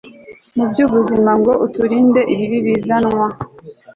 mu byubuzima ngo uturinde ibibi bizanwa